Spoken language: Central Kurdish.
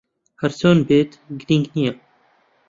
ھەر چۆن بێت، گرنگ نییە.